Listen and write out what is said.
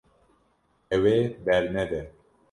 Ew ê bernede.